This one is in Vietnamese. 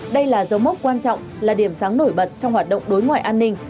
đây là dấu mốc quan trọng là điểm sáng nổi bật trong hoạt động đối ngoại an ninh